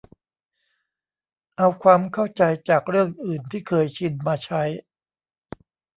เอาความเข้าใจจากเรื่องอื่นที่เคยชินมาใช้